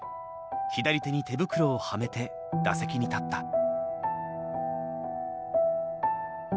左手に手袋をはめて打席に立った。